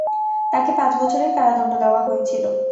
তাকে পাঁচ বছরের কারাদণ্ড দেওয়া হয়েছিল।